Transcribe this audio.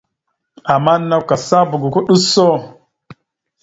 Ama nakw kasaba goko ɗʉso.